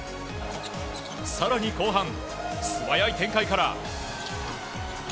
更に後半、素早い展開から。